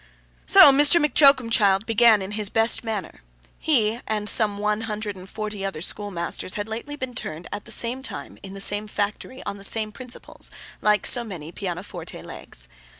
So, Mr. M'Choakumchild began in his best manner. He and some one hundred and forty other schoolmasters, had been lately turned at the same time, in the same factory, on the same principles, like so many pianoforte legs.